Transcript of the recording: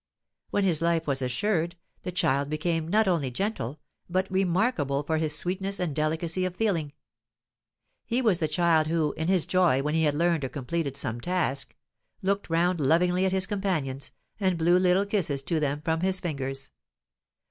When his life was assured, the child became not only gentle, but remarkable for his sweetness and delicacy of feeling. He was the child who, in his joy when he had learned or completed some task, looked round lovingly at his companions, and blew little kisses to them from his fingers.